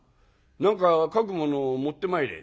何か描くものを持ってまいれ」。